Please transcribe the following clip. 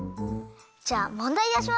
じゃあもんだいだしますね。